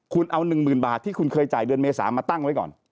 คุณเอา๑๐๐๐บาทที่คุณเคยจ่ายเดือนเมษามาตั้งไว้ก่อน